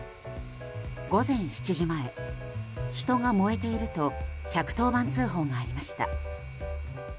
午前７時前、人が燃えていると１１０番通報がありました。